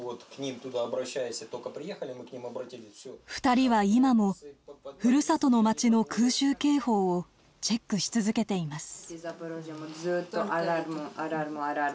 ２人は今もふるさとの街の空襲警報をチェックし続けています。